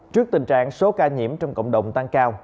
trước tình trạng số ca nhiễm trong cộng đồng tăng cao